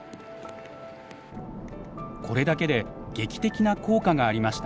これだけで劇的な効果がありました。